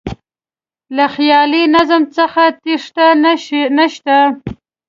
له خیالي نظم څخه تېښته نه شته.